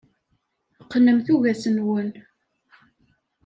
Qqnem tuggas-nwen.